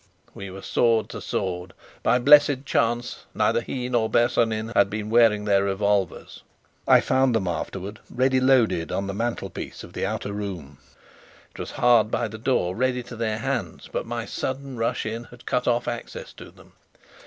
We were sword to sword. By blessed chance, neither he nor Bersonin had been wearing their revolvers. I found them afterwards, ready loaded, on the mantelpiece of the outer room: it was hard by the door, ready to their hands, but my sudden rush in had cut off access to them.